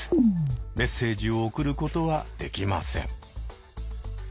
メッセージを送ることはできません。